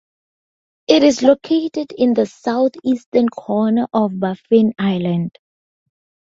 It is located in the southeastern corner of Baffin Island.